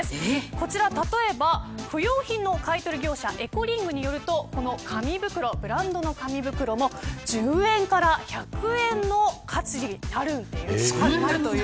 こちら、例えば不用品の買取業者エコリングによるとこのブランドの紙袋も１０円から１００円の価値があるんです。